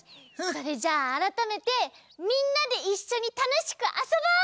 それじゃああらためてみんなでいっしょにたのしくあそぼう！